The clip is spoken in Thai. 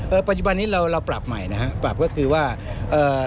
ปัจจุบันนี้เราเราปรับใหม่นะฮะปรับก็คือว่าเอ่อ